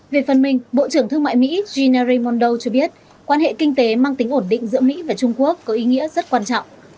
về phần mình bộ trưởng thương mại mỹ gina raymondo cho biết quan hệ kinh tế mang tính ổn định giữa mỹ và trung quốc có ý nghĩa rất quan trọng